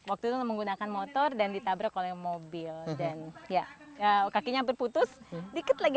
waktu itu menggunakan motor dan ditabrak oleh mobil dan ya kakinya hampir putus dikit lagi